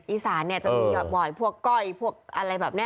อีสานจะมีบ่อยพวกก้อยพวกอะไรแบบนี้